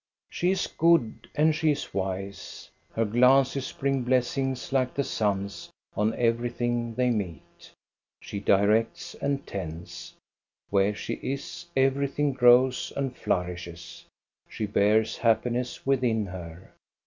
She is good, and she is wise. Her glances bring blessings like the sun's on everything they meet. She directs and tends. Where she is, everything grows and flourishes. She bears happiness within her.